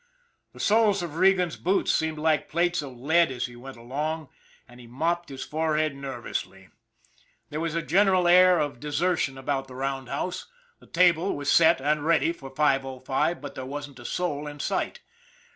The soles of Regan's boots seemed like plates of lead as he went along, and he mopped his forehead nerv GUARDIAN OF THE DEVIL'S SLIDE 161 ously. There was a general air of desertion about the roundhouse. The 'table was set and ready for 505, but there wasn't a soul in sight.